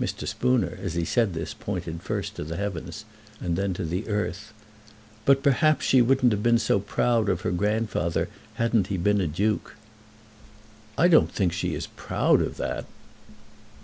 Mr. Spooner as he said this pointed first to the heavens and then to the earth. "But perhaps she wouldn't have been so proud of her grandfather hadn't he been a Duke." "I don't think she is proud of that."